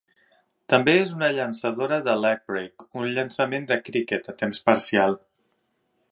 També és una llançadora de leg-break, un llançament de criquet, a temps parcial.